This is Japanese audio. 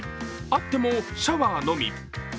あってもシャワーのみ。